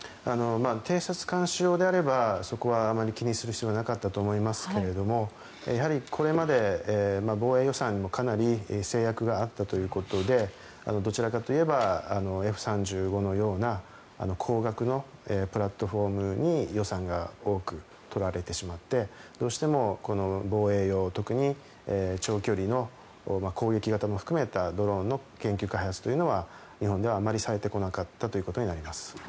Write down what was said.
偵察監視用であればそこはあまり気にする必要はなかったと思いますがやはりこれまで防衛予算もかなり制約があったということでどちらかといえばＦ３５のような高額のプラットフォームに予算が多く取られてしまってどうしてもこの防衛用特に長距離の攻撃型も含めたドローンの研究開発というのは日本ではあまりされてこなかったということになります。